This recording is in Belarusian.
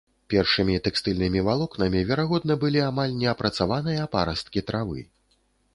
Першымі тэкстыльнымі валокнамі, верагодна, былі амаль не апрацаваныя парасткі травы.